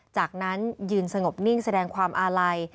จากนั้นยืนสงบนิ่งแสดงความอาลัย